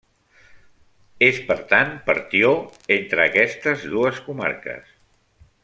És, per tant, partió entre aquestes dues comarques.